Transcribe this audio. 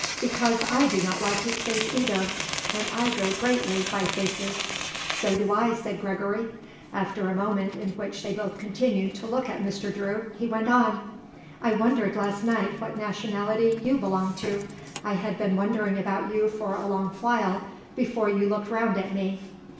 Because I do not like his face, either; and I go greatly by faces." "So do I," said Gregory. After a moment, in which they both continued to look at Mr. Drew, he went on. "I wondered last night what nationality you belonged to. I had been wondering about you for a long while before you looked round at me."